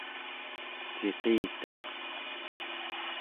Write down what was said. ciqitaq